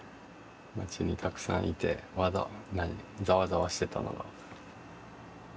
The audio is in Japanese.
町にたくさんいてまだざわざわしてたのが。